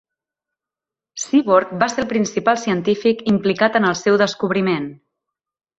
Seaborg va ser el principal científic implicat en el seu descobriment.